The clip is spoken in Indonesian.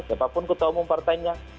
siapapun ketua umum partainya